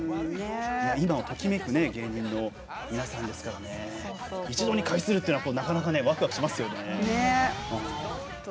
今をときめく芸人の皆さんですから一堂に会するというのはなかなかワクワクしますよね。